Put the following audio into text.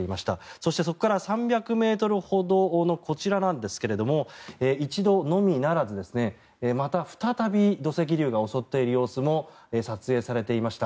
そして、そこから３００ｍほどのこちらなんですが一度のみならずまた再び土石流が襲っている様子も撮影されていました。